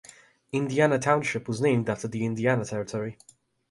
Indiana Township was named after the Indiana Territory.